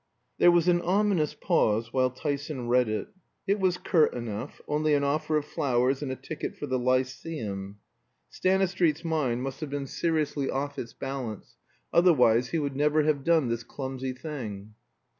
There was an ominous pause while Tyson read it. It was curt enough; only an offer of flowers and a ticket for the "Lyceum." Stanistreet's mind must have been seriously off its balance, otherwise he would never have done this clumsy thing.